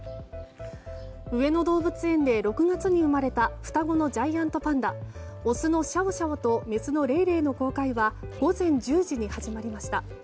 上野動物園で、６月に生まれた双子のジャイアントパンダオスのシャオシャオとメスのレイレイの公開は午前１０時に始まりました。